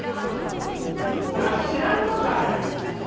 知らんのかい！